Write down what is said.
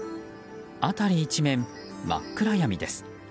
辺り一面、真っ暗闇です。